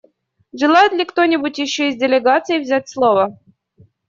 Желает ли кто-либо еще из делегаций взять слово?